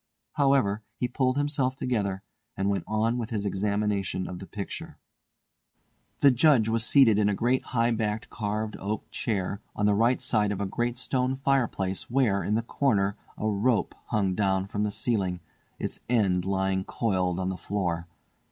However, he pulled himself together, and went on with his examination of the picture. The Judge was seated in a great high backed carved oak chair, on the right hand side of a great stone fireplace where, in the corner, a rope hung down from the ceiling, its end lying coiled on the floor.